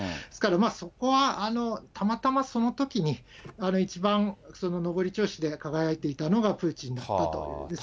ですから、そこはたまたまそのときに、一番上り調子で輝いていたのがプーチンだったという。